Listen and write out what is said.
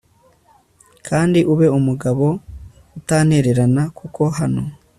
kandi ube umugabo utantererana kuko hano